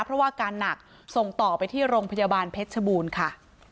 เพราะว่าอาการหนักส่งต่อไปที่โรงพยาบาลเพชรชบูรณ์ค่ะ